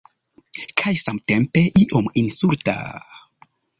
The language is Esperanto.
Kaj samtempe iom insulta...